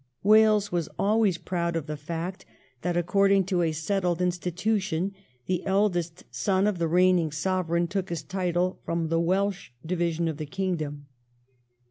Wales was always proud of the fact that according to a settled institution the eldest son of the reigning Sovereign took his title from the Welsh division of the kingdom.